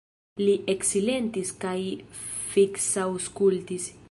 Li eksilentis kaj fiksaŭskultis.